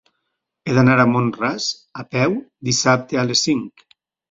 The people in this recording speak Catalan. He d'anar a Mont-ras a peu dissabte a les cinc.